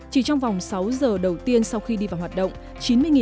chỉ trong vòng sáu giờ đầu tiên sau khi đi vào hoạt động